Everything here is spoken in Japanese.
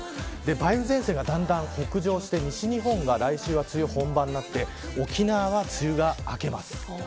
梅雨前線がだんだん北上して西日本は梅雨本番になって沖縄は梅雨が明けます。